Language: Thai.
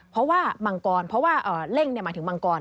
เพราะว่ามังกรเพราะว่าเล่งหมายถึงมังกร